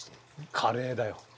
カレーだよ。